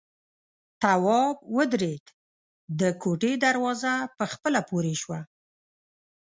تواب ودرېد، د کوټې دروازه په خپله پورې شوه.